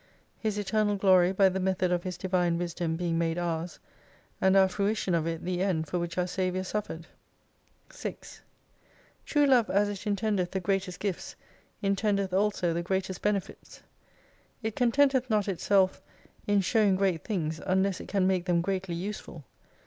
His Eternal Glory by the method of His Divine "Wisdom being made ours ; and our fruition of it the end for which our Saviour suffered. 5 6 True Love as it intenaelli the greatest gifts intendeth also the greatest benefits. It contenteth not itself in showing great things unless it can make them greatly useful.